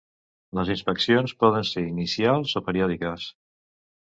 Les inspeccions poden ser inicials o periòdiques.